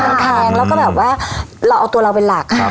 มันแพงแล้วก็แบบว่าเราเอาตัวเราเป็นหลัก